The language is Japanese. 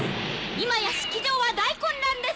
今や式場は大混乱です！